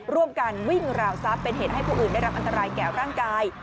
ร่วมกันวิ่งราวทรัพย์เป็นเหตุให้ผู้อื่นได้รับอันตรายแก่ร่างกาย